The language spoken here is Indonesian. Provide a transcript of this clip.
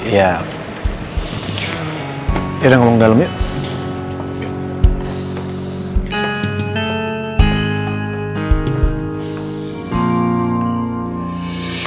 yaudah ngomong dalem yuk